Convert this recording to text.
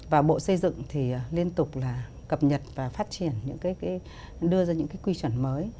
và bộ xây dựng thì liên tục là cập nhật và phát triển những cái đưa ra những cái quy chuẩn mới